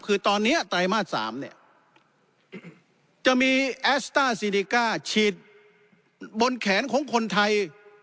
คือตอนนี้ไตรมาส๓เนี่ยจะมีแอสต้าซีริก้าฉีดบนแขนของคนไทย